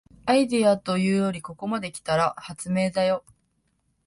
アイデアというよりここまで来たら発明だよ